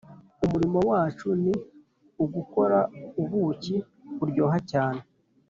umurimo wacu ni ugukora ubuki buryoha cyane